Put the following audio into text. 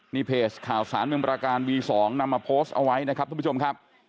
นี่เพจข่าวสารเมืองประการวี๒นำมาโพสต์เอาไว้นะครับทุกผู้ชมครับ